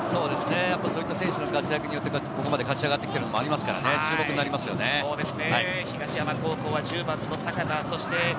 そういった選手の活躍によってここまで勝ち上がって来てることもありますから、注目ですよね。